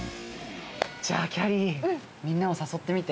じゃあきゃりーみんなをさそってみて。